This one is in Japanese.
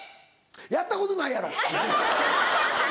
やったことないやろ。